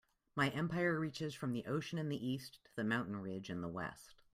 My empire reaches from the ocean in the East to the mountain ridge in the West.